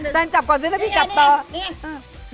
แดนจับก่อนซักให้พี่จับต่อ